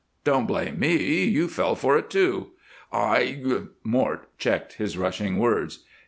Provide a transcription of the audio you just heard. "Don't blame me. You fell for it, too." "I " Mort checked his rushing words.